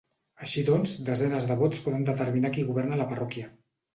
Així doncs, desenes de vots poden determinar qui governa la parròquia.